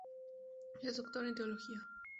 Es Doctor en Teología.